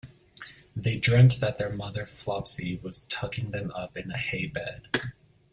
They dreamt that their mother Flopsy was tucking them up in a hay bed.